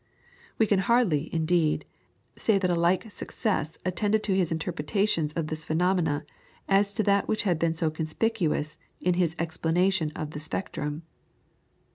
We can hardly, indeed, say that a like success attended his interpretation of these phenomena to that which had been so conspicuous in his explanation of the spectrum.